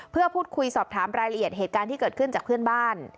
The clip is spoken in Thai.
เพื่อพูดคุยสอบถามรายละเอียดเหตุการณ์ที่เกิดขึ้นจากเพื่อนบ้าน